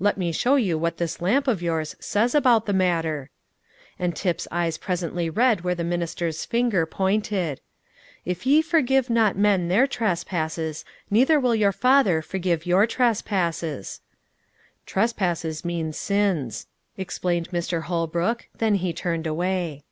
"Let me show you what this lamp of yours says about the matter." And Tip's eyes presently read where the minister's finger pointed: "If ye forgive not men their trespasses, neither will your Father forgive your trespasses." "Trespasses mean sins," explained Mr. Holbrook; then he turned away.